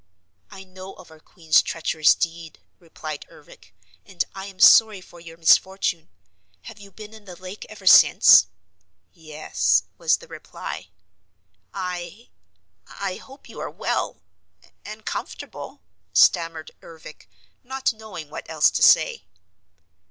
"I know of our Queen's treacherous deed," replied Ervic, "and I am sorry for your misfortune. Have you been in the lake ever since?" "Yes," was the reply. "I I hope you are well and comfortable," stammered Ervic, not knowing what else to say.